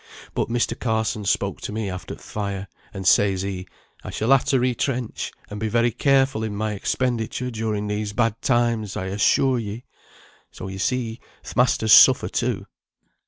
But Mr. Carson spoke to me after th' fire, and says he, 'I shall ha' to retrench, and be very careful in my expenditure during these bad times, I assure ye;' so yo see th' masters suffer too."